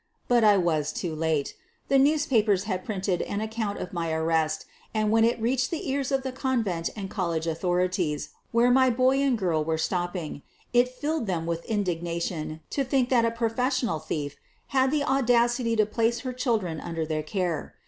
But I was too late. The newspapers had printed an account of my arrest, and when it reached the ears of the convent and college authorities where my boy and girl were stopping it filled them with indignation to think that a professional thief had the audacity to place her children under their care.